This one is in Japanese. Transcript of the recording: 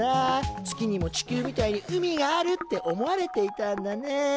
月にも地球みたいに海があるって思われていたんだね。